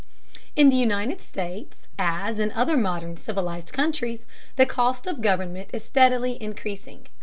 In the United States, as in other modern civilized countries, the cost of government is steadily increasing.